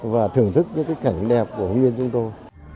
và thưởng thức những cảnh đẹp của bình đen nguyên chúng tôi